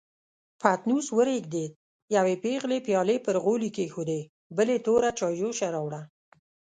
پتنوس ورېږدېد، يوې پېغلې پيالې پر غولي کېښودې، بلې توره چايجوشه راوړه.